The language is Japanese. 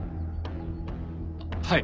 はい。